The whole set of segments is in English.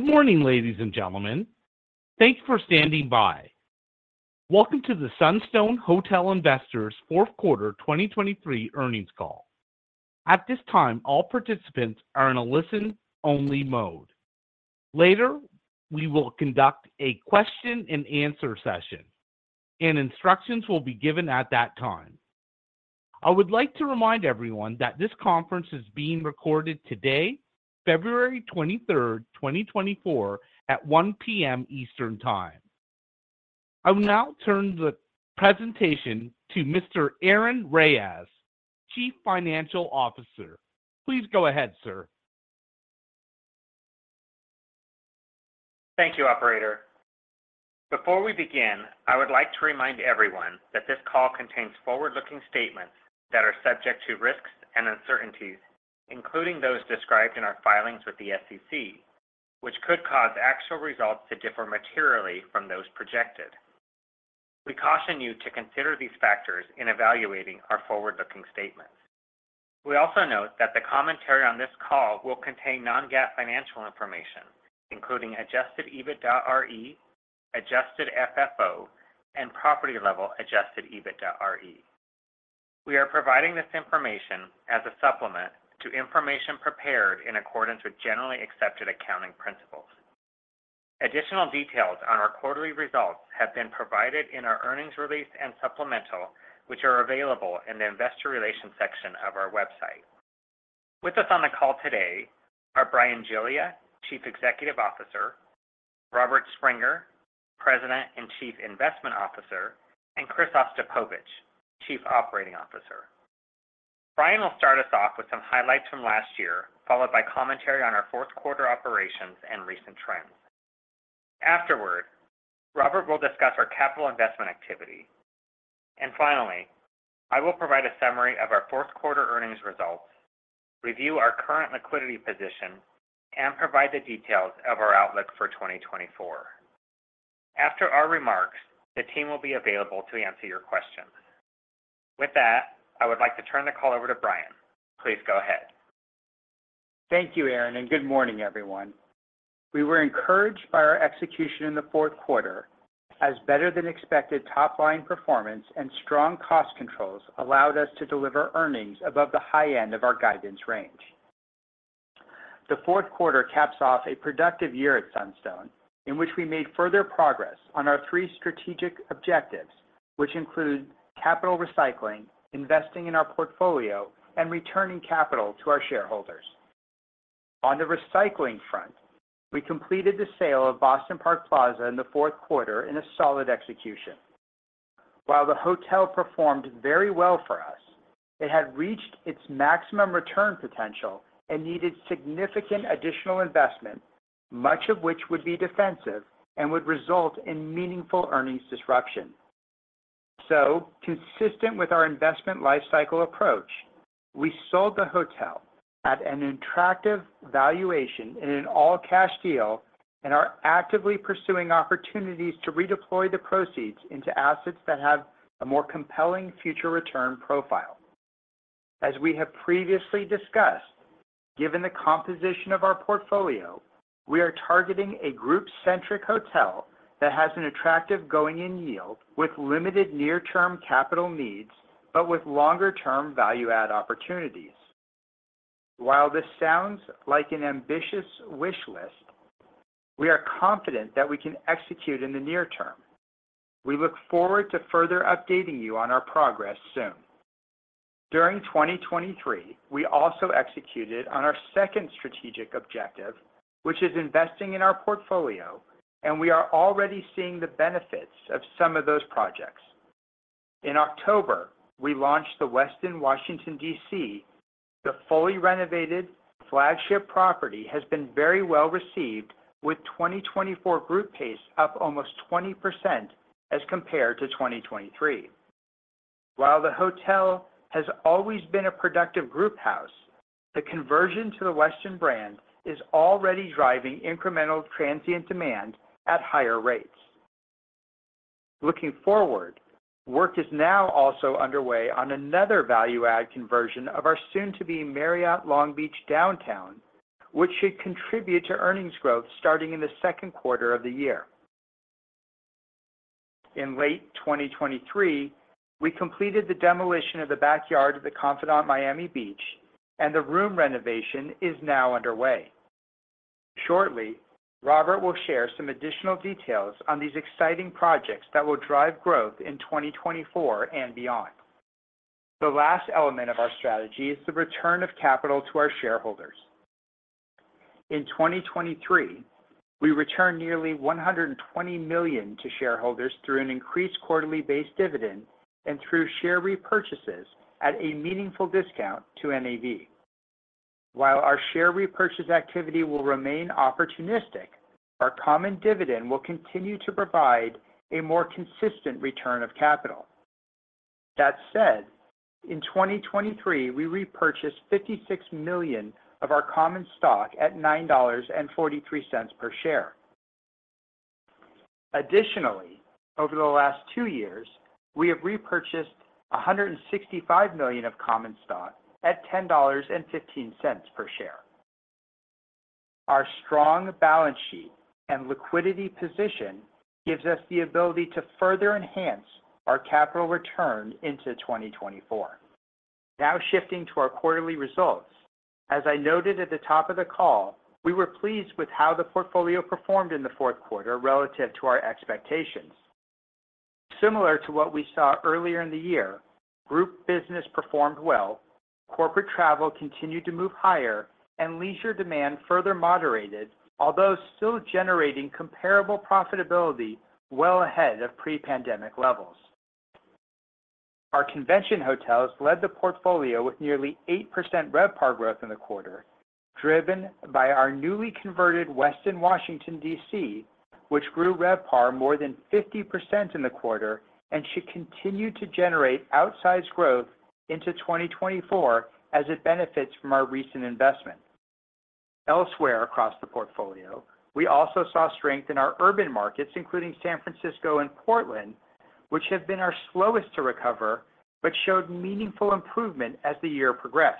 Good morning, ladies and gentlemen. Thanks for standing by. Welcome to the Sunstone Hotel Investors Fourth Quarter 2023 Earnings Call. At this time, all participants are in a listen-only mode. Later, we will conduct a question and answer session, and instructions will be given at that time. I would like to remind everyone that this conference is being recorded today, February 23, 2024, at 1:00 P.M. Eastern Time. I will now turn the presentation to Mr. Aaron Reyes, Chief Financial Officer. Please go ahead, sir. Thank you, operator. Before we begin, I would like to remind everyone that this call contains forward-looking statements that are subject to risks and uncertainties, including those described in our filings with the SEC, which could cause actual results to differ materially from those projected. We caution you to consider these factors in evaluating our forward-looking statements. We also note that the commentary on this call will contain non-GAAP financial information, including Adjusted EBITDAre, Adjusted FFO, and property-level Adjusted EBITDAre. We are providing this information as a supplement to information prepared in accordance with generally accepted accounting principles. Additional details on our quarterly results have been provided in our earnings release and supplemental, which are available in the Investor Relations section of our website. With us on the call today are Bryan Giglia, Chief Executive Officer, Robert Springer, President and Chief Investment Officer, and Chris Ostapovicz, Chief Operating Officer. Bryan will start us off with some highlights from last year, followed by commentary on our fourth quarter operations and recent trends. Afterward, Robert will discuss our capital investment activity, and finally, I will provide a summary of our fourth quarter earnings results, review our current liquidity position, and provide the details of our outlook for 2024. After our remarks, the team will be available to answer your questions. With that, I would like to turn the call over to Bryan. Please go ahead. Thank you, Aaron, and good morning, everyone. We were encouraged by our execution in the fourth quarter as better-than-expected top-line performance and strong cost controls allowed us to deliver earnings above the high end of our guidance range. The fourth quarter caps off a productive year at Sunstone, in which we made further progress on our three strategic objectives, which include capital recycling, investing in our portfolio, and returning capital to our shareholders. On the recycling front, we completed the sale of Boston Park Plaza in the fourth quarter in a solid execution. While the hotel performed very well for us, it had reached its maximum return potential and needed significant additional investment, much of which would be defensive and would result in meaningful earnings disruption. So consistent with our investment lifecycle approach, we sold the hotel at an attractive valuation in an all-cash deal and are actively pursuing opportunities to redeploy the proceeds into assets that have a more compelling future return profile. As we have previously discussed, given the composition of our portfolio, we are targeting a group-centric hotel that has an attractive going-in yield with limited near-term capital needs, but with longer-term value add opportunities. While this sounds like an ambitious wish list, we are confident that we can execute in the near term. We look forward to further updating you on our progress soon. During 2023, we also executed on our second strategic objective, which is investing in our portfolio, and we are already seeing the benefits of some of those projects. In October, we launched the Westin Washington, D.C. The fully renovated flagship property has been very well received, with 2024 group pace up almost 20% as compared to 2023. While the hotel has always been a productive group house, the conversion to the Westin brand is already driving incremental transient demand at higher rates. Looking forward, work is now also underway on another value-add conversion of our soon tobe Marriott Long Beach Downtown, which should contribute to earnings growth starting in the second quarter of the year. In late 2023, we completed the demolition of the backyard of the Confidante Miami Beach, and the room renovation is now underway. Shortly, Robert will share some additional details on these exciting projects that will drive growth in 2024 and beyond. The last element of our strategy is the return of capital to our shareholders. In 2023, we returned nearly $120 million to shareholders through an increased quarterly base dividend and through share repurchases at a meaningful discount to NAV. While our share repurchase activity will remain opportunistic, our common dividend will continue to provide a more consistent return of capital. That said, in 2023, we repurchased $56 million of our common stock at $9.43 per share. Additionally, over the last two years, we have repurchased $165 million of common stock at $10.15 per share. Our strong balance sheet and liquidity position gives us the ability to further enhance our capital return into 2024. Now shifting to our quarterly results. As I noted at the top of the call, we were pleased with how the portfolio performed in the fourth quarter relative to our expectations. Similar to what we saw earlier in the year, group business performed well, corporate travel continued to move higher, and leisure demand further moderated, although still generating comparable profitability well ahead of pre-pandemic levels. Our convention hotels led the portfolio with nearly 8% RevPAR growth in the quarter, driven by our newly converted Westin Washington, D.C., which grew RevPAR more than 50% in the quarter and should continue to generate outsized growth into 2024 as it benefits from our recent investment. Elsewhere across the portfolio, we also saw strength in our urban markets, including San Francisco and Portland, which have been our slowest to recover, but showed meaningful improvement as the year progressed.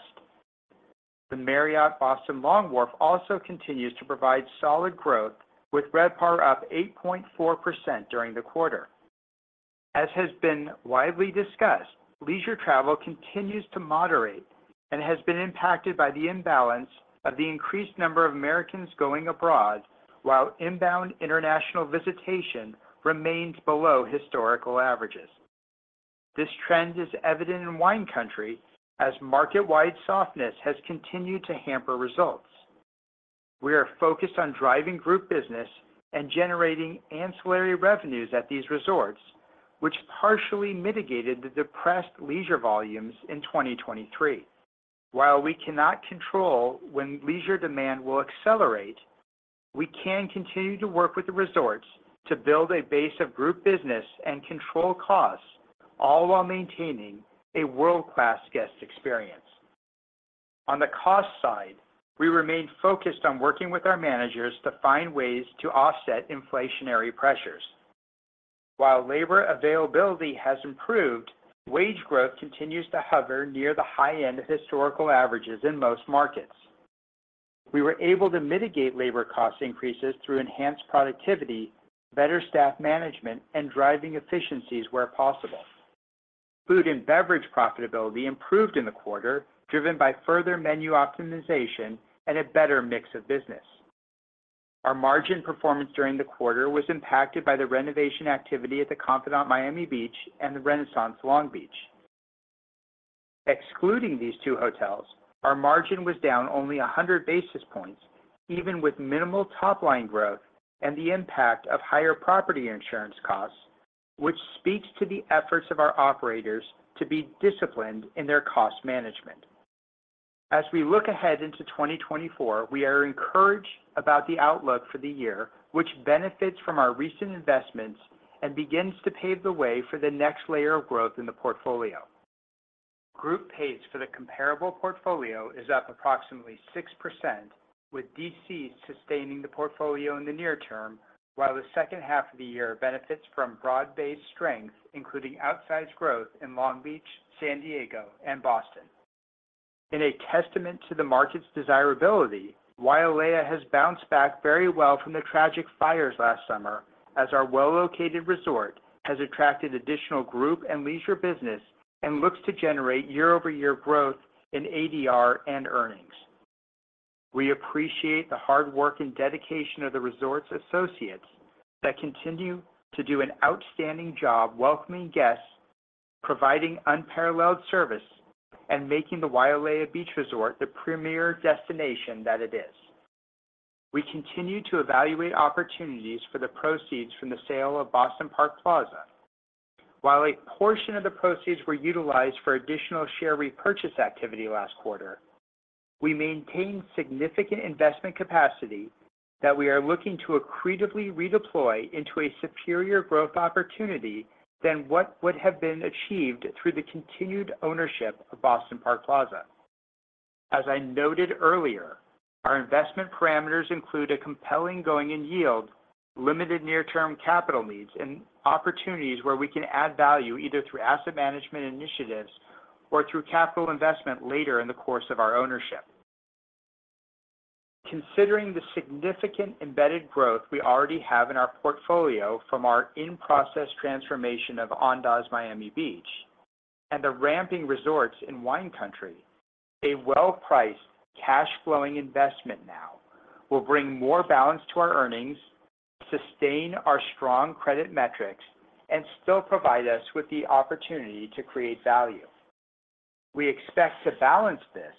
The Boston Marriott Long Wharf also continues to provide solid growth, with RevPAR up 8.4% during the quarter. As has been widely discussed, leisure travel continues to moderate and has been impacted by the imbalance of the increased number of Americans going abroad, while inbound international visitation remains below historical averages. This trend is evident in Wine Country, as market-wide softness has continued to hamper results. We are focused on driving group business and generating ancillary revenues at these resorts, which partially mitigated the depressed leisure volumes in 2023. While we cannot control when leisure demand will accelerate, we can continue to work with the resorts to build a base of group business and control costs, all while maintaining a world-class guest experience. On the cost side, we remain focused on working with our managers to find ways to offset inflationary pressures. While labor availability has improved, wage growth continues to hover near the high end of historical averages in most markets. We were able to mitigate labor cost increases through enhanced productivity, better staff management, and driving efficiencies where possible. Food and beverage profitability improved in the quarter, driven by further menu optimization and a better mix of business. Our margin performance during the quarter was impacted by the renovation activity at The Confidante Miami Beach and the Renaissance Long Beach. Excluding these two hotels, our margin was down only 100 basis points, even with minimal top-line growth and the impact of higher property insurance costs, which speaks to the efforts of our operators to be disciplined in their cost management. As we look ahead into 2024, we are encouraged about the outlook for the year, which benefits from our recent investments and begins to pave the way for the next layer of growth in the portfolio. Group pace for the comparable portfolio is up approximately 6%, with D.C. sustaining the portfolio in the near term, while the second half of the year benefits from broad-based strength, including outsized growth in Long Beach, San Diego, and Boston. In a testament to the market's desirability, Wailea has bounced back very well from the tragic fires last summer, as our well-located resort has attracted additional group and leisure business and looks to generate year-over-year growth in ADR and earnings. We appreciate the hard work and dedication of the resort's associates that continue to do an outstanding job welcoming guests, providing unparalleled service, and making the Wailea Beach Resort the premier destination that it is. We continue to evaluate opportunities for the proceeds from the sale of Boston Park Plaza. While a portion of the proceeds were utilized for additional share repurchase activity last quarter, we maintained significant investment capacity that we are looking to accretively redeploy into a superior growth opportunity than what would have been achieved through the continued ownership of Boston Park Plaza. As I noted earlier, our investment parameters include a compelling going-in-yield, limited near-term capital needs, and opportunities where we can add value, either through asset management initiatives or through capital investment later in the course of our ownership. Considering the significant embedded growth we already have in our portfolio from our in-process transformation of Andaz Miami Beach and the ramping resorts in Wine Country, a well-priced, cash-flowing investment now will bring more balance to our earnings, sustain our strong credit metrics, and still provide us with the opportunity to create value. We expect to balance this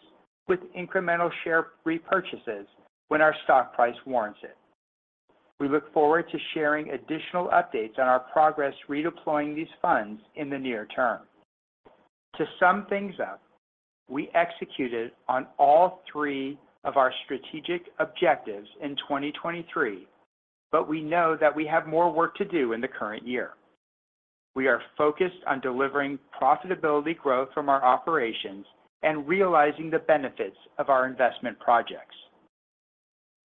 with incremental share repurchases when our stock price warrants it. We look forward to sharing additional updates on our progress redeploying these funds in the near term. To sum things up, we executed on all three of our strategic objectives in 2023, but we know that we have more work to do in the current year. We are focused on delivering profitability growth from our operations and realizing the benefits of our investment projects.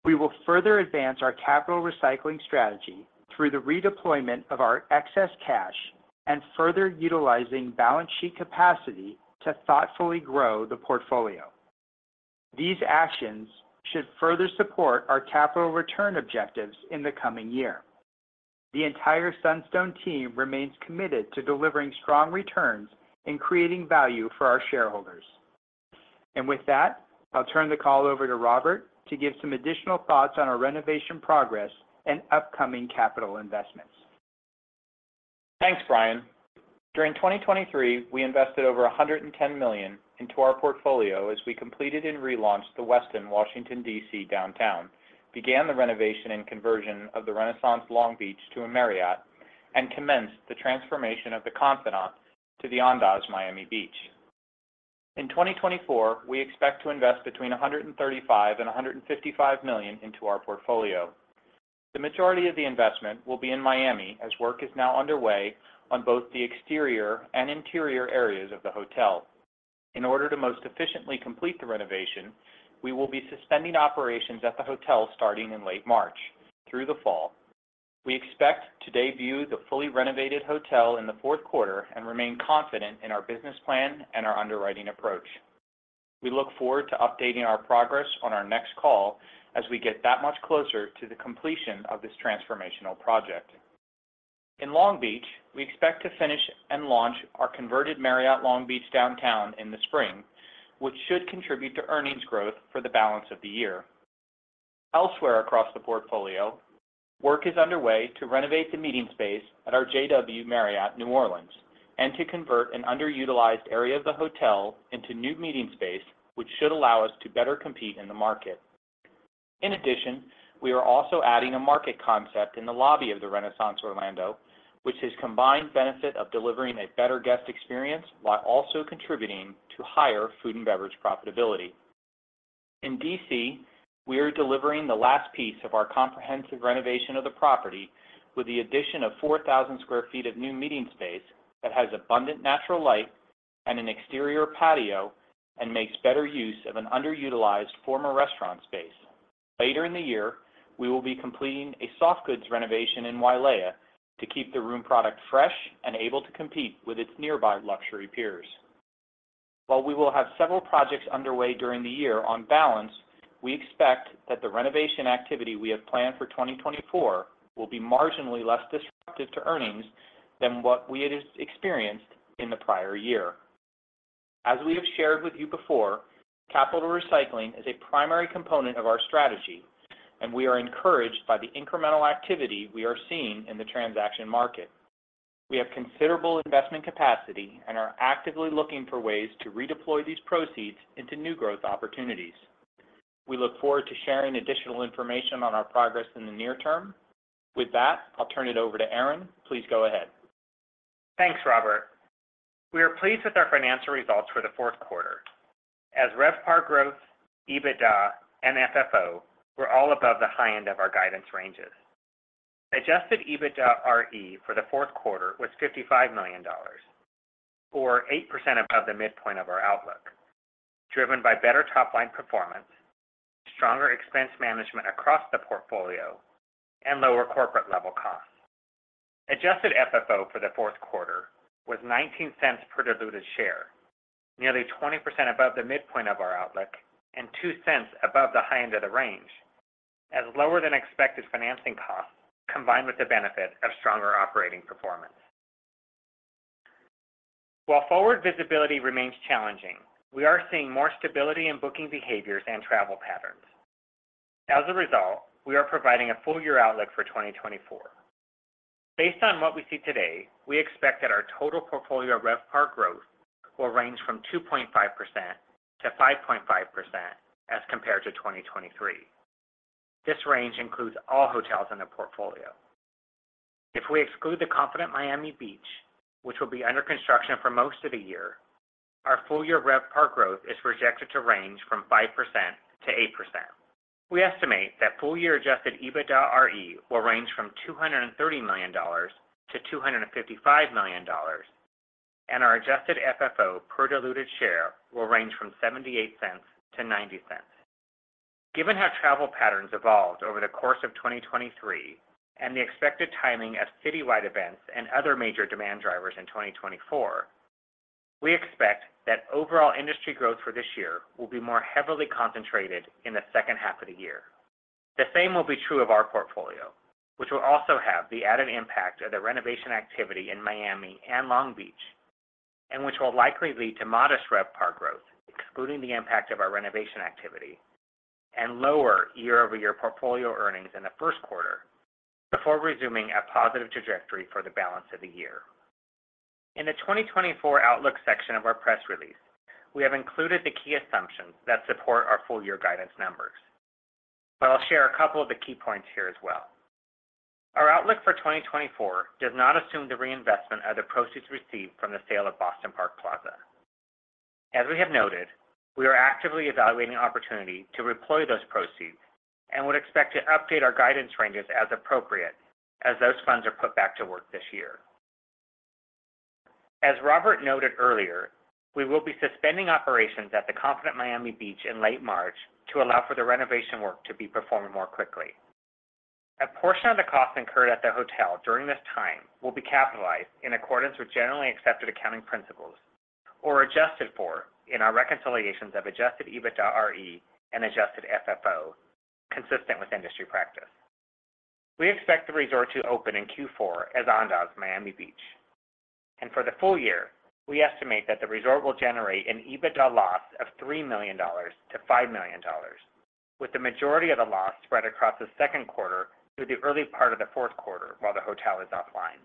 We will further advance our capital recycling strategy through the redeployment of our excess cash and further utilizing balance sheet capacity to thoughtfully grow the portfolio. These actions should further support our capital return objectives in the coming year. The entire Sunstone team remains committed to delivering strong returns and creating value for our shareholders. With that, I'll turn the call over to Robert to give some additional thoughts on our renovation progress and upcoming capital investments. Thanks, Bryan. During 2023, we invested over $110 million into our portfolio as we completed and relaunched the Westin Washington, D.C. Downtown, began the renovation and conversion of the Renaissance Long Beach to a Marriott, and commenced the transformation of The Confidante to the Andaz Miami Beach. In 2024, we expect to invest between $135 million and $155 million into our portfolio. The majority of the investment will be in Miami, as work is now underway on both the exterior and interior areas of the hotel. In order to most efficiently complete the renovation, we will be suspending operations at the hotel starting in late March through the fall. We expect to debut the fully renovated hotel in the fourth quarter and remain confident in our business plan and our underwriting approach. We look forward to updating our progress on our next call as we get that much closer to the completion of this transformational project. In Long Beach, we expect to finish and launch our converted Marriott Long Beach Downtown in the spring, which should contribute to earnings growth for the balance of the year. Elsewhere across the portfolio, work is underway to renovate the meeting space at our JW Marriott New Orleans and to convert an underutilized area of the hotel into new meeting space, which should allow us to better compete in the market. In addition, we are also adding a market concept in the lobby of the Renaissance Orlando, which has combined benefit of delivering a better guest experience while also contributing to higher food and beverage profitability. In D.C., we are delivering the last piece of our comprehensive renovation of the property with the addition of 4,000 sq ft of new meeting space that has abundant natural light and an exterior patio and makes better use of an underutilized former restaurant space. Later in the year, we will be completing a soft goods renovation in Wailea to keep the room product fresh and able to compete with its nearby luxury peers. While we will have several projects underway during the year, on balance, we expect that the renovation activity we have planned for 2024 will be marginally less disruptive to earnings than what we had experienced in the prior year. As we have shared with you before, capital recycling is a primary component of our strategy, and we are encouraged by the incremental activity we are seeing in the transaction market. We have considerable investment capacity and are actively looking for ways to redeploy these proceeds into new growth opportunities. We look forward to sharing additional information on our progress in the near term. With that, I'll turn it over to Aaron. Please go ahead. Thanks, Robert. We are pleased with our financial results for the fourth quarter. As RevPAR growth, EBITDA, and FFO were all above the high end of our guidance ranges. Adjusted EBITDAre for the fourth quarter was $55 million, or 8% above the midpoint of our outlook, driven by better top-line performance, stronger expense management across the portfolio, and lower corporate-level costs. Adjusted FFO for the fourth quarter was $0.19 per diluted share, nearly 20% above the midpoint of our outlook and $0.02 above the high end of the range, as lower than expected financing costs, combined with the benefit of stronger operating performance. While forward visibility remains challenging, we are seeing more stability in booking behaviors and travel patterns. As a result, we are providing a full-year outlook for 2024. Based on what we see today, we expect that our total portfolio RevPAR growth will range from 2.5%-5.5% as compared to 2023. This range includes all hotels in the portfolio. If we exclude the Confidante Miami Beach, which will be under construction for most of the year, our full-year RevPAR growth is projected to range from 5%-8%. We estimate that full-year Adjusted EBITDAre will range from $230 million-$255 million, and our Adjusted FFO per diluted share will range from $0.78-$0.90. Given how travel patterns evolved over the course of 2023 and the expected timing of city-wide events and other major demand drivers in 2024, we expect that overall industry growth for this year will be more heavily concentrated in the second half of the year. The same will be true of our portfolio, which will also have the added impact of the renovation activity in Miami and Long Beach, and which will likely lead to modest RevPAR growth, excluding the impact of our renovation activity, and lower year-over-year portfolio earnings in the first quarter before resuming a positive trajectory for the balance of the year. In the 2024 outlook section of our press release, we have included the key assumptions that support our full year guidance numbers, but I'll share a couple of the key points here as well. Our outlook for 2024 does not assume the reinvestment of the proceeds received from the sale of Boston Park Plaza.... As we have noted, we are actively evaluating opportunities to deploy those proceeds and would expect to update our guidance ranges as appropriate as those funds are put back to work this year. As Robert noted earlier, we will be suspending operations at the Confidante Miami Beach in late March to allow for the renovation work to be performed more quickly. A portion of the costs incurred at the hotel during this time will be capitalized in accordance with generally accepted accounting principles, or adjusted for in our reconciliations of Adjusted EBITDAre and Adjusted FFO, consistent with industry practice. We expect the resort to open in Q4 as Andaz Miami Beach, and for the full year, we estimate that the resort will generate an EBITDA loss of $3 million-$5 million, with the majority of the loss spread across the second quarter through the early part of the fourth quarter while the hotel is offline.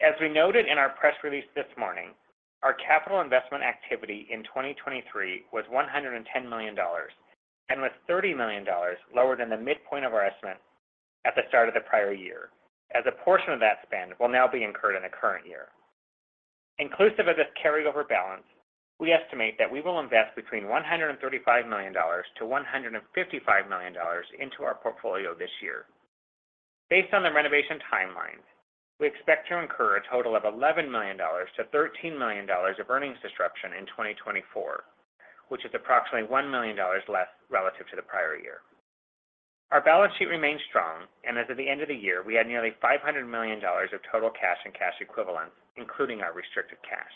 As we noted in our press release this morning, our capital investment activity in 2023 was $110 million, and was $30 million lower than the midpoint of our estimate at the start of the prior year, as a portion of that spend will now be incurred in the current year. Inclusive of this carryover balance, we estimate that we will invest between $135 million-$155 million into our portfolio this year. Based on the renovation timeline, we expect to incur a total of $11 million-$13 million of earnings disruption in 2024, which is approximately $1 million less relative to the prior year. Our balance sheet remains strong, and as of the end of the year, we had nearly $500 million of total cash and cash equivalents, including our restricted cash.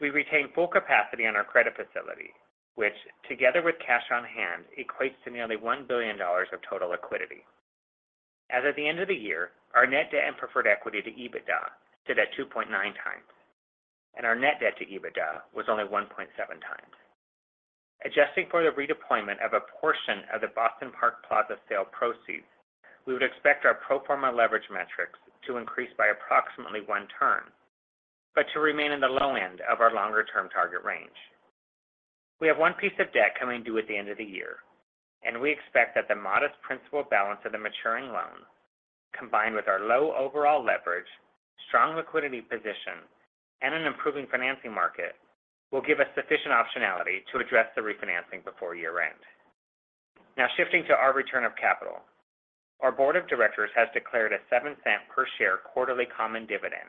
We retained full capacity on our credit facility, which, together with cash on hand, equates to nearly $1 billion of total liquidity. As of the end of the year, our net debt and preferred equity to EBITDA stood at 2.9x, and our net debt to EBITDA was only 1.7x. Adjusting for the redeployment of a portion of the Boston Park Plaza sale proceeds, we would expect our pro forma leverage metrics to increase by approximately one turn, but to remain in the low end of our longer-term target range. We have one piece of debt coming due at the end of the year, and we expect that the modest principal balance of the maturing loan, combined with our low overall leverage, strong liquidity position, and an improving financing market, will give us sufficient optionality to address the refinancing before year-end. Now, shifting to our return of capital. Our board of directors has declared a $0.07 per share quarterly common dividend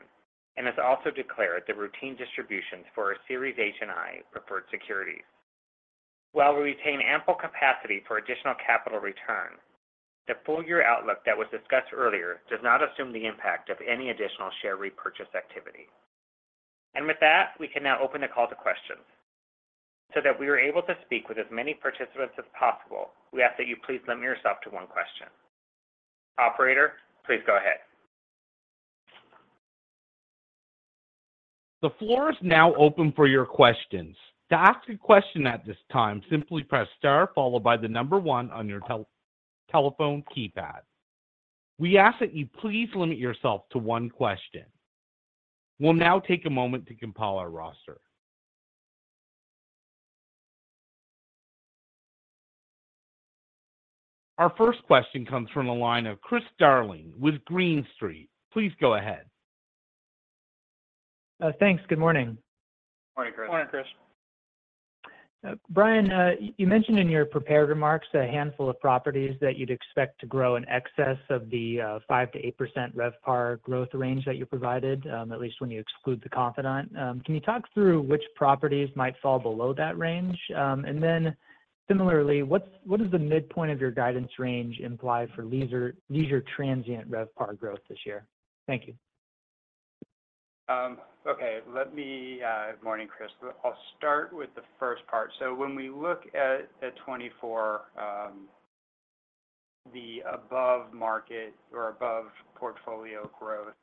and has also declared the routine distributions for our Series H and I preferred securities. While we retain ample capacity for additional capital return, the full-year outlook that was discussed earlier does not assume the impact of any additional share repurchase activity. With that, we can now open the call to questions. So that we are able to speak with as many participants as possible, we ask that you please limit yourself to one question. Operator, please go ahead. The floor is now open for your questions. To ask a question at this time, simply press star followed by the number one on your telephone keypad. We ask that you please limit yourself to one question. We'll now take a moment to compile our roster. Our first question comes from the line of Chris Darling with Green Street. Please go ahead. Thanks. Good morning. Morning, Chris. Morning, Chris. Bryan, you mentioned in your prepared remarks a handful of properties that you'd expect to grow in excess of the 5%-8% RevPAR growth range that you provided, at least when you exclude The Confidante. Can you talk through which properties might fall below that range? And then similarly, what does the midpoint of your guidance range imply for leisure transient RevPAR growth this year? Thank you. Okay, let me... Morning, Chris. I'll start with the first part. So when we look at 2024, the above market or above portfolio growth,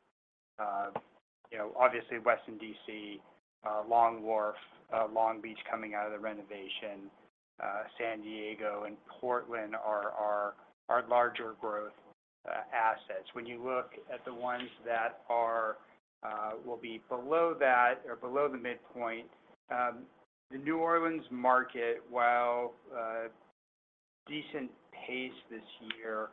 you know, obviously, Westin D.C., Long Wharf, Long Beach coming out of the renovation, San Diego and Portland are our larger growth assets. When you look at the ones that will be below that or below the midpoint, the New Orleans market, while a decent pace this year,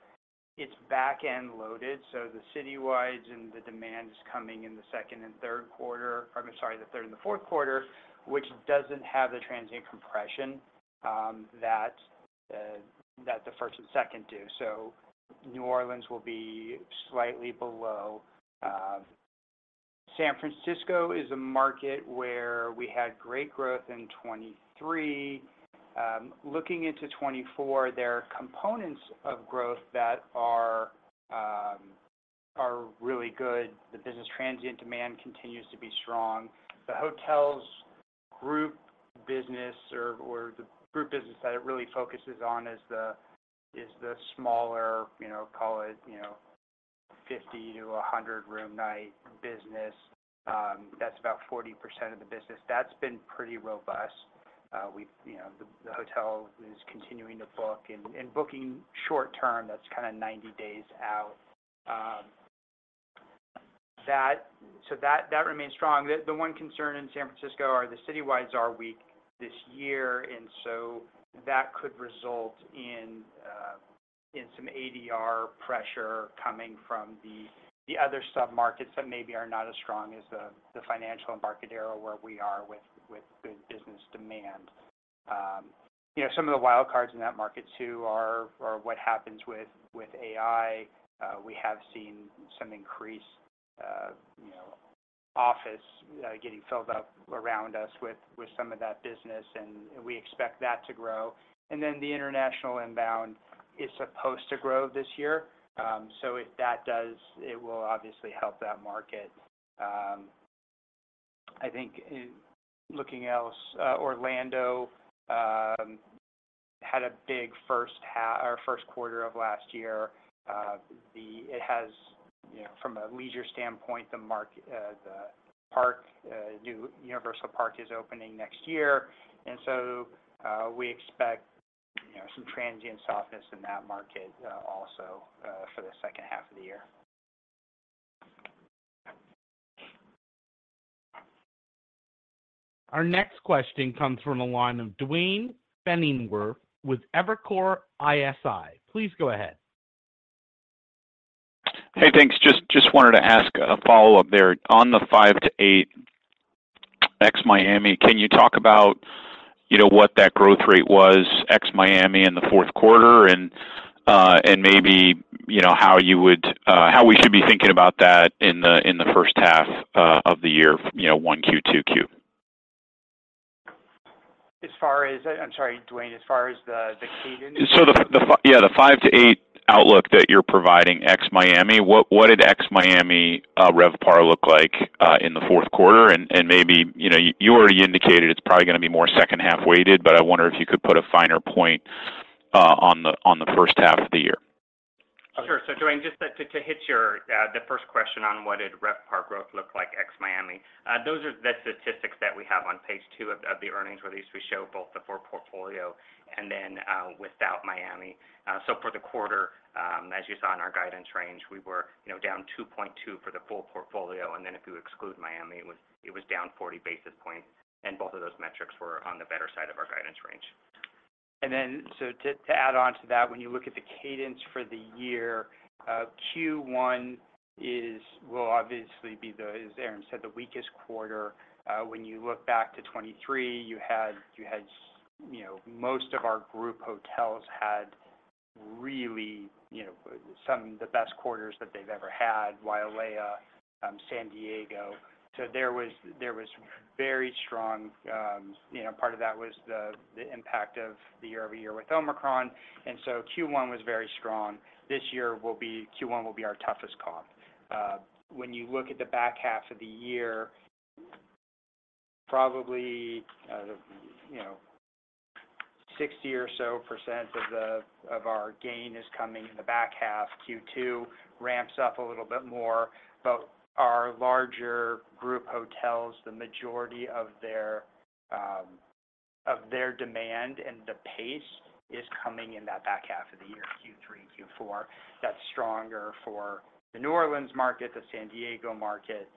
it's back-end loaded, so the citywide and the demand is coming in the second and third quarter, or I'm sorry, the third and the fourth quarter, which doesn't have the transient compression that the first and second do. So New Orleans will be slightly below. San Francisco is a market where we had great growth in 2023. Looking into 2024, there are components of growth that are really good. The business transient demand continues to be strong. The hotel's group business or the group business that it really focuses on is the smaller, you know, call it 50-100 room night business. That's about 40% of the business. That's been pretty robust. You know, the hotel is continuing to book and booking short term, that's kinda 90 days out. So that remains strong. The one concern in San Francisco are the citywides are weak this year, and so that could result in... in some ADR pressure coming from the other submarkets that maybe are not as strong as the financial and market area where we are with good business demand. You know, some of the wild cards in that market too are what happens with AI. We have seen some increase, you know, office getting filled up around us with some of that business, and we expect that to grow. And then the international inbound is supposed to grow this year. So if that does, it will obviously help that market. I think in looking else, Orlando had a big first half or first quarter of last year. It has, you know, from a leisure standpoint, the market, the park, new Universal Park is opening next year, and so, we expect, you know, some transient softness in that market, also, for the second half of the year. Our next question comes from the line of Duane Pfennigwerth with Evercore ISI. Please go ahead. Hey, thanks. Just wanted to ask a follow-up there. On the 5-8 ex-Miami, can you talk about, you know, what that growth rate was ex-Miami in the fourth quarter? And, and maybe, you know, how we should be thinking about that in the, in the first half of the year, you know, 1Q, 2Q? As far as... I'm sorry, Duane. As far as the cadence? So the five to eight outlook that you're providing ex-Miami, what did ex-Miami RevPAR look like in the fourth quarter? And maybe, you know, you already indicated it's probably going to be more second-half weighted, but I wonder if you could put a finer point on the first half of the year. Sure. So Duane, just to hit your first question on what did RevPAR growth look like ex-Miami, those are the statistics that we have on page two of the earnings release. We show both the full portfolio and then without Miami. So for the quarter, as you saw in our guidance range, we were, you know, down 2.2 for the full portfolio, and then if you exclude Miami, it was down 40 basis points, and both of those metrics were on the better side of our guidance range. And then, so to add on to that, when you look at the cadence for the year, Q1 will obviously be the, as Aaron said, the weakest quarter. When you look back to 2023, you had, you had, you know, most of our group hotels had really, you know, some-- the best quarters that they've ever had, Wailea, San Diego. So there was, there was very strong. You know, part of that was the, the impact of the year-over-year with Omicron, and so Q1 was very strong. This year will be-- Q1 will be our toughest comp. When you look at the back half of the year, probably, you know, 60% or so of the, of our gain is coming in the back half. Q2 ramps up a little bit more, but our larger group hotels, the majority of their demand and the pace is coming in that back half of the year, Q3, Q4. That's stronger for the New Orleans market, the San Diego market.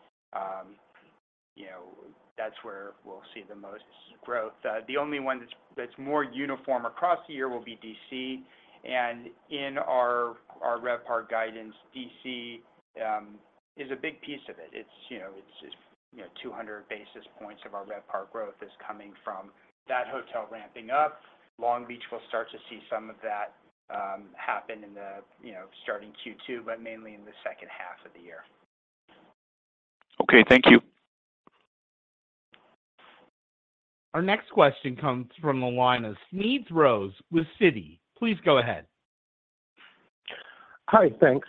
You know, that's where we'll see the most growth. The only one that's more uniform across the year will be D.C. And in our RevPAR guidance, D.C. is a big piece of it. It's, you know, 200 basis points of our RevPAR growth is coming from that hotel ramping up. Long Beach will start to see some of that happen in the, you know, starting Q2, but mainly in the second half of the year. Okay, thank you. Our next question comes from the line of Smedes Rose with Citi. Please go ahead. Hi, thanks.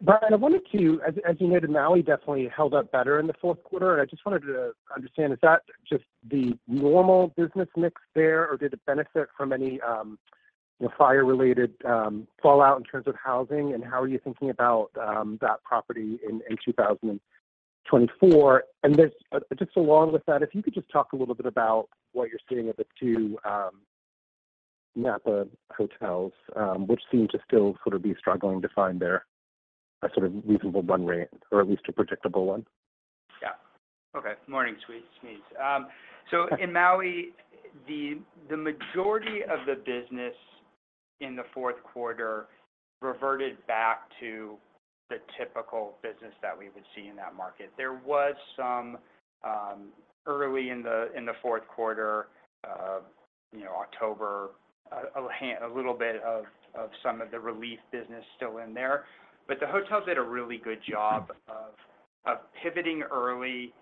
Bryan, I wanted to, as, as you noted, Maui definitely held up better in the fourth quarter, and I just wanted to understand, is that just the normal business mix there, or did it benefit from any, you know, fire-related, fallout in terms of housing? And how are you thinking about, that property in 2024? And then, just along with that, if you could just talk a little bit about what you're seeing with the two Napa hotels, which seem to still sort of be struggling to find their sort of reasonable run rate, or at least a predictable one. Yeah. Okay. Morning, Smedes, Smedes. So in Maui, the majority of the business in the fourth quarter reverted back to the typical business that we would see in that market. There was some early in the fourth quarter, you know, October, a little bit of some of the relief business still in there. But the hotels did a really good job of pivoting early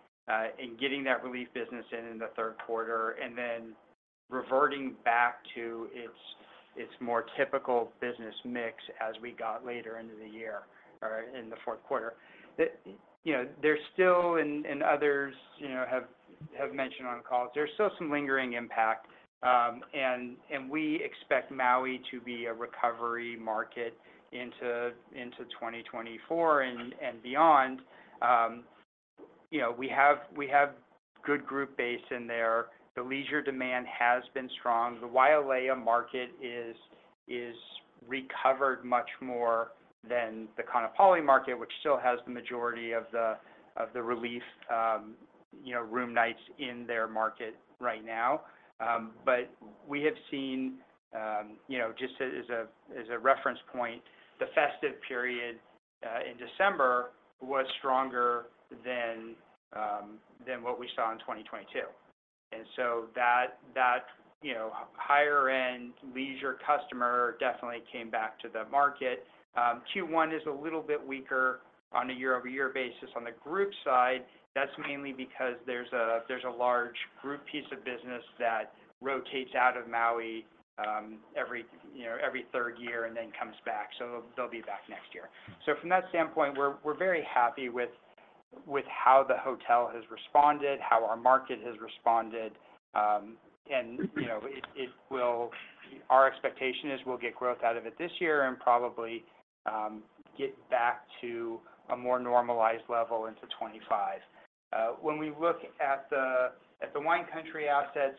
in getting that relief business in in the third quarter, and then reverting back to its more typical business mix as we got later into the year or in the fourth quarter. You know, there's still, and others, you know, have mentioned on calls, there's still some lingering impact, and we expect Maui to be a recovery market into 2024 and beyond. You know, we have, we have good group base in there. The leisure demand has been strong. The Wailea market is, is recovered much more than the Kaanapali market, which still has the majority of the, of the relief, you know, room nights in their market right now. But we have seen, you know, just as a, as a reference point, the festive period in December was stronger than what we saw in 2022. And so that, that, you know, higher-end leisure customer definitely came back to the market. Q1 is a little bit weaker on a year-over-year basis. On the group side, that's mainly because there's a, there's a large group piece of business that rotates out of Maui, every, you know, every third year and then comes back, so they'll be back next year. So from that standpoint, we're very happy with how the hotel has responded, how our market has responded. And you know, it will. Our expectation is we'll get growth out of it this year and probably get back to a more normalized level into 2025. When we look at the Wine Country assets,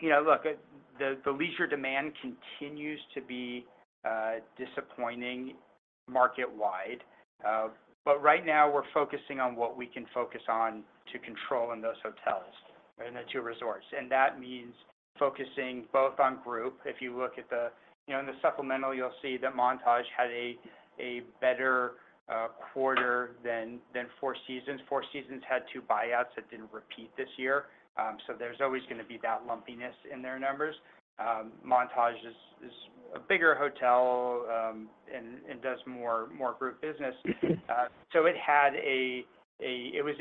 you know, the leisure demand continues to be disappointing market-wide. But right now, we're focusing on what we can focus on to control in those hotels and the two resorts, and that means focusing both on group. If you look at the. You know, in the supplemental, you'll see that Montage had a better quarter than Four Seasons. Four Seasons had two buyouts that didn't repeat this year, so there's always gonna be that lumpiness in their numbers. Montage is a bigger hotel, and does more group business. So it had a -- it was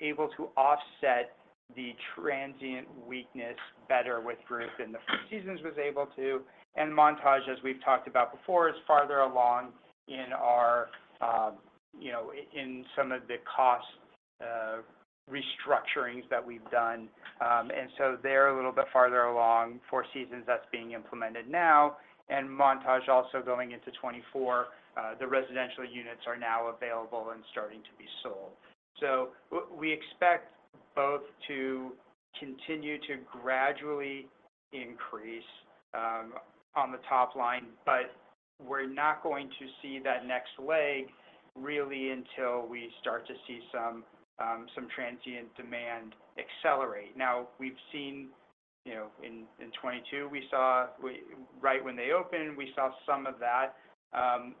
able to offset the transient weakness better with group than the Four Seasons was able to. And Montage, as we've talked about before, is farther along in our, you know, in some of the cost restructurings that we've done. And so they're a little bit farther along. Four Seasons, that's being implemented now, and Montage also going into 2024, the residential units are now available and starting to be sold. So we expect both to continue to gradually increase on the top line, but we're not going to see that next leg really until we start to see some transient demand accelerate. Now, we've seen, you know, in 2022, we saw right when they opened, we saw some of that.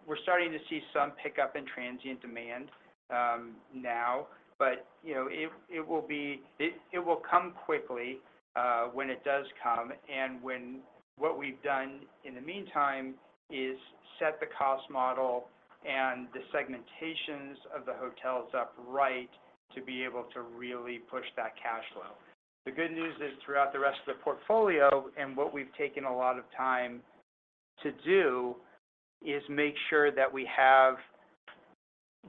We're starting to see some pickup in transient demand now, but, you know, it will come quickly when it does come, and when... What we've done in the meantime is set the cost model and the segmentations of the hotels up right to be able to really push that cash flow. The good news is, throughout the rest of the portfolio, and what we've taken a lot of time to do, is make sure that we have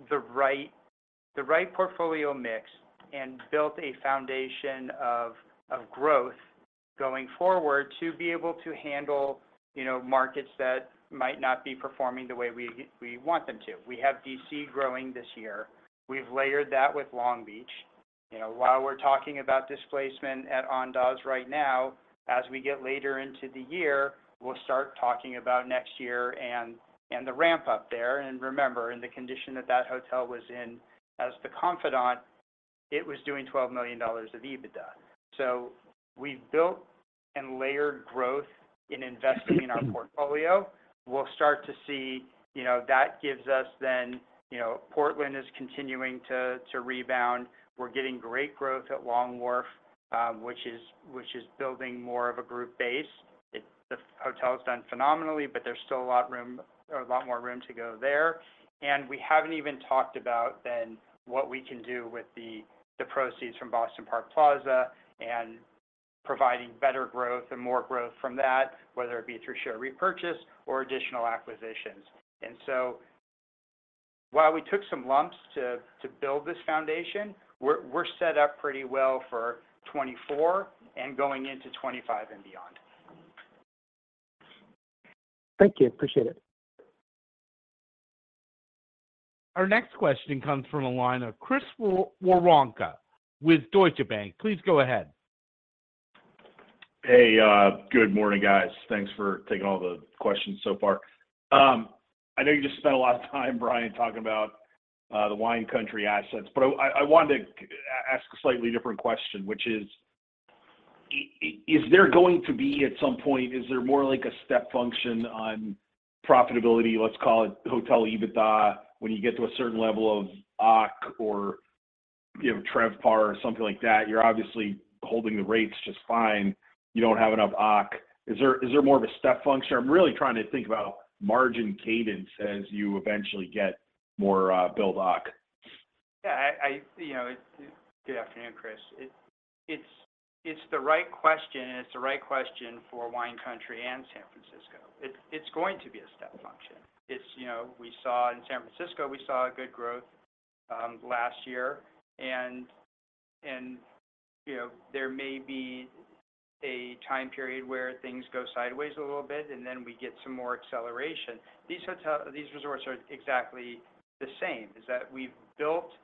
the right, the right portfolio mix and built a foundation of, of growth going forward to be able to handle, you know, markets that might not be performing the way we, we want them to. We have D.C. growing this year. We've layered that with Long Beach. You know, while we're talking about displacement at Andaz right now, as we get later into the year, we'll start talking about next year and the ramp-up there. And remember, in the condition that that hotel was in as the Confidante, it was doing $12 million of EBITDA. So we've built and layered growth in investing in our portfolio. We'll start to see, you know, that gives us then. You know, Portland is continuing to rebound. We're getting great growth at Long Wharf, which is building more of a group base. The hotel's done phenomenally, but there's still a lot of room, a lot more room to go there. We haven't even talked about then what we can do with the proceeds from Boston Park Plaza and providing better growth and more growth from that, whether it be through share repurchase or additional acquisitions. So, while we took some lumps to build this foundation, we're set up pretty well for 2024 and going into 2025 and beyond. Thank you. Appreciate it. Our next question comes from the line of Chris Woronka with Deutsche Bank. Please go ahead. Hey, good morning, guys. Thanks for taking all the questions so far. I know you just spent a lot of time, Bryan, talking about the Wine Country assets, but I wanted to ask a slightly different question, which is: Is there going to be, at some point, is there more like a step function on profitability, let's call it hotel EBITDA, when you get to a certain level of OCC or you have RevPAR or something like that? You're obviously holding the rates just fine. You don't have enough OCC. Is there, is there more of a step function? I'm really trying to think about margin cadence as you eventually get more build OCC. Yeah, I... You know, it-- Good afternoon, Chris. It's the right question, and it's the right question for Wine Country and San Francisco. It's going to be a step function. It's, you know, we saw in San Francisco, we saw a good growth last year, and you know, there may be a time period where things go sideways a little bit, and then we get some more acceleration. These hotels- these resorts are exactly the same, in that we've built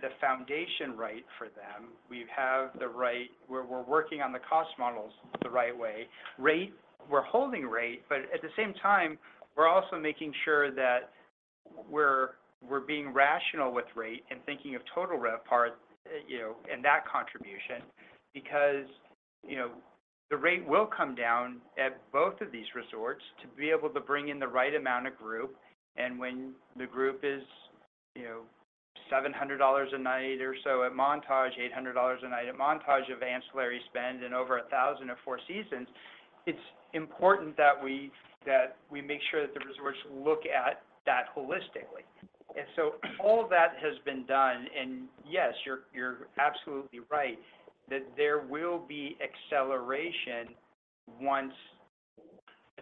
the foundation right for them. We have the right-- We're working on the cost models the right way. Rate, we're holding rate, but at the same time, we're also making sure that we're being rational with rate and thinking of total RevPAR, you know, and that contribution. Because, you know, the rate will come down at both of these resorts to be able to bring in the right amount of group. And when the group is, you know, $700 a night or so at Montage, $800 a night at Montage of ancillary spend and over $1,000 at Four Seasons, it's important that we, that we make sure that the resorts look at that holistically. And so all that has been done, and yes, you're, you're absolutely right, that there will be acceleration once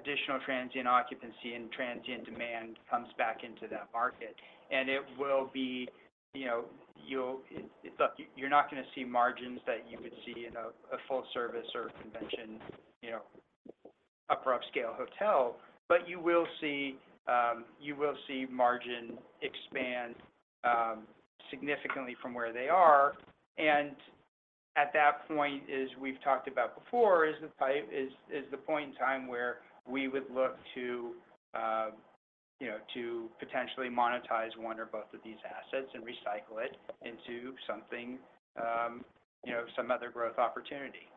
additional transient occupancy and transient demand comes back into that market. And it will be, you know, you'll-- You're not gonna see margins that you would see in a, a full service or a convention, you know, upper upscale hotel, but you will see, you will see margin expand significantly from where they are. And at that point, as we've talked about before, is the point in time where we would look to, you know, to potentially monetize one or both of these assets and recycle it into something, you know, some other growth opportunity.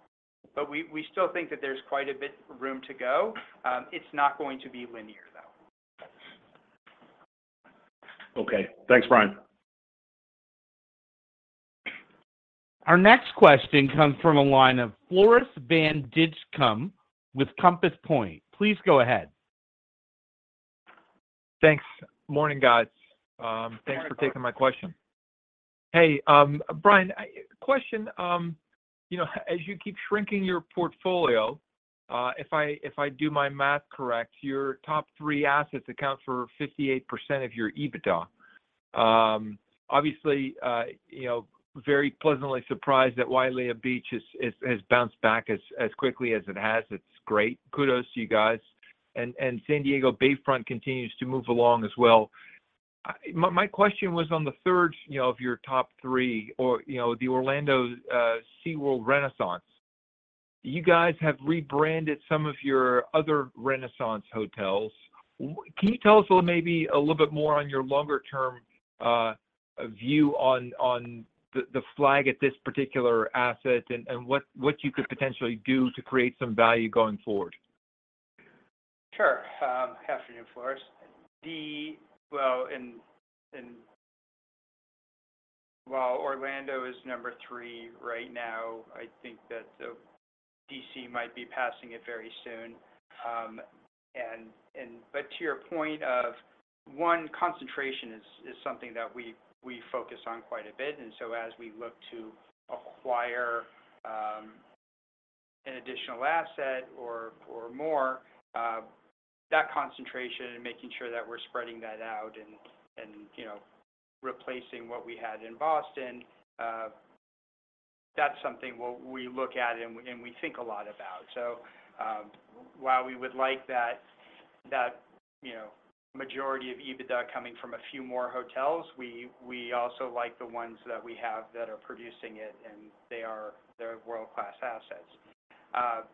But we still think that there's quite a bit room to go. It's not going to be linear, though. Okay. Thanks, Bryan. Our next question comes from a line of Floris van Dijkum with Compass Point. Please go ahead. Thanks. Morning, guys. Thanks for taking my question. Hey, Bryan, question, you know, as you keep shrinking your portfolio, if I do my math correct, your top three assets account for 58% of your EBITDA. Obviously, you know, very pleasantly surprised that Wailea Beach has bounced back as quickly as it has. It's great. Kudos to you guys. And San Diego Bayfront continues to move along as well. My question was on the third, you know, of your top three or, you know, the Orlando SeaWorld Renaissance. You guys have rebranded some of your other Renaissance hotels. Can you tell us maybe a little bit more on your longer term view on the flag at this particular asset and what you could potentially do to create some value going forward? Sure. Afternoon, Floris. While Orlando is number three right now, I think that D.C. might be passing it very soon. And but to your point of one, concentration is something that we focus on quite a bit, and so as we look to acquire an additional asset or more, that concentration and making sure that we're spreading that out and, you know, replacing what we had in Boston, that's something what we look at and we think a lot about. So, while we would like that, you know, majority of EBITDA coming from a few more hotels, we also like the ones that we have that are producing it, and they are, they're world-class assets.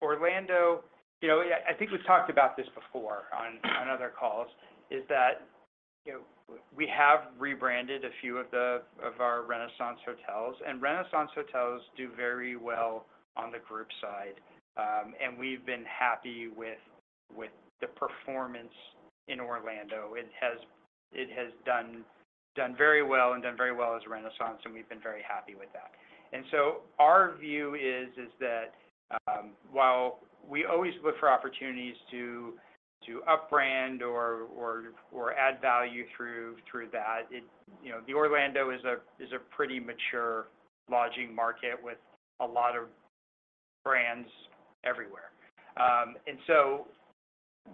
Orlando, you know, I think we've talked about this before on other calls, is that you know, we have rebranded a few of the—of our Renaissance hotels, and Renaissance hotels do very well on the group side. And we've been happy with the performance in Orlando. It has done very well and done very well as a Renaissance, and we've been very happy with that. And so our view is that while we always look for opportunities to upbrand or add value through that, you know, the Orlando is a pretty mature lodging market with a lot of brands everywhere. And so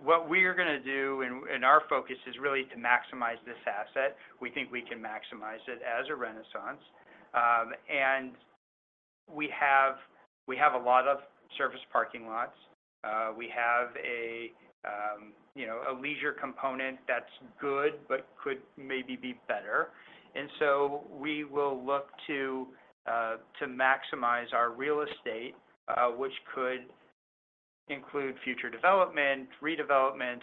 what we are gonna do and our focus is really to maximize this asset. We think we can maximize it as a Renaissance. And we have a lot of surface parking lots. We have, you know, a leisure component that's good but could maybe be better. And so we will look to maximize our real estate, which could include future development, redevelopment.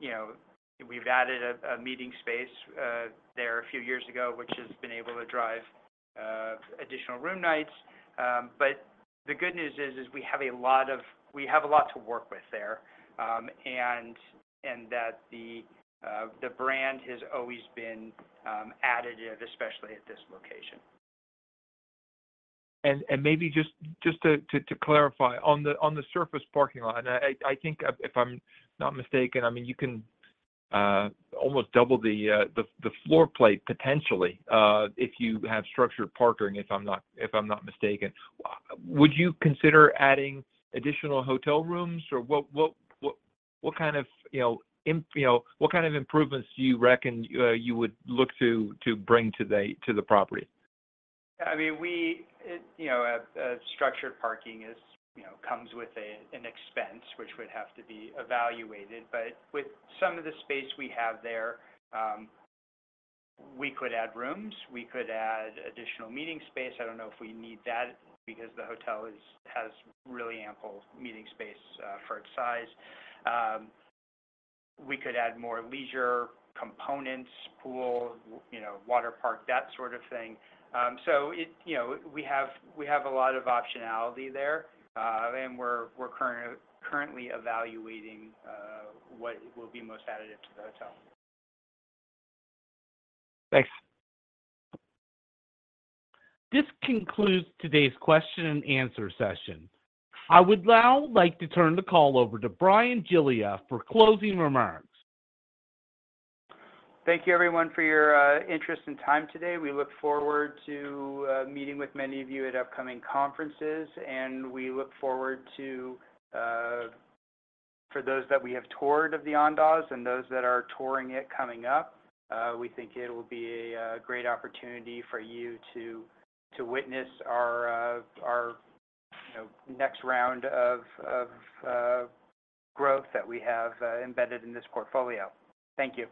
You know, we've added a meeting space there a few years ago, which has been able to drive additional room nights. But the good news is we have a lot to work with there, and that the brand has always been additive, especially at this location. And maybe just to clarify, on the surface parking lot, I think if I'm not mistaken, I mean, you can almost double the floor plate potentially, if you have structured parking, if I'm not mistaken. Would you consider adding additional hotel rooms? Or what kind of, you know, improvements do you reckon you would look to bring to the property? I mean, you know, a structured parking is, you know, comes with an expense, which would have to be evaluated. But with some of the space we have there, we could add rooms, we could add additional meeting space. I don't know if we need that because the hotel has really ample meeting space for its size. We could add more leisure components, pool, you know, water park, that sort of thing. So you know, we have a lot of optionality there, and we're currently evaluating what will be most additive to the hotel. Thanks. This concludes today's question and answer session. I would now like to turn the call over to Bryan Giglia for closing remarks. Thank you, everyone, for your interest and time today. We look forward to meeting with many of you at upcoming conferences, and we look forward to, for those that we have toured of the Andaz and those that are touring it coming up, we think it will be a great opportunity for you to witness our you know next round of growth that we have embedded in this portfolio. Thank you.